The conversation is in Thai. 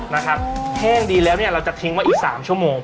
นะครับแห้งดีแล้วเนี่ยเราจะทิ้งไว้อีก๓ชั่วโมง